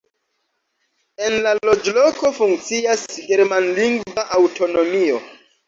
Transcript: En la loĝloko funkcias germanlingva aŭtonomio.